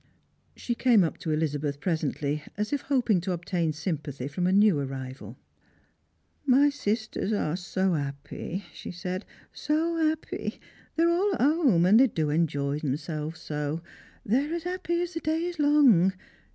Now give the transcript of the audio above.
She came up to Elizabeth presently, as if hoping to obtain sympathy from a new arrival. " My sisters are so 'appy," she said; " so 'appy. They're all at 'ome, and they do enjoy themselves so; they're as 'appy as the day is long.